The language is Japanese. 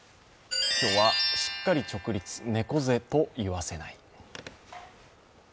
今日はしっかり直立、猫背と言わせない。